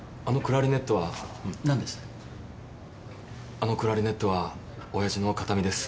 あのクラリネットは親父の形見です。